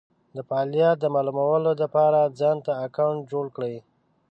دفعالیت د مالومولو دپاره ځانته اکونټ جوړ کړی